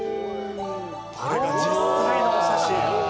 これが実際のお写真。